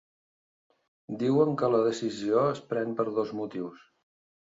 Diuen que la decisió es pren per dos motius.